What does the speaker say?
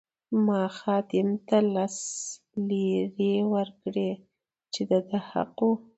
ما خادم ته لس لیرې ورکړې چې د ده حق وو.